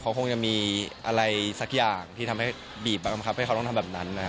เขาคงจะมีอะไรสักอย่างที่ทำให้บีบบังคับให้เขาต้องทำแบบนั้นนะครับ